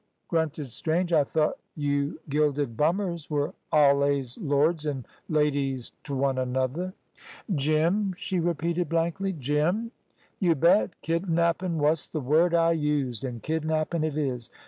grunted Strange. "I thought you gilded bummers were allays lords an' ladies t' one another." "Jim!" she repeated blankly. "Jim!" "You bet. Kidnappin' wos th' word I used, an' kidnappin' it is.